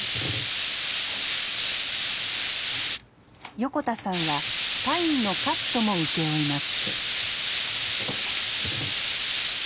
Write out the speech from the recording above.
横田さんはパインのカットも請け負います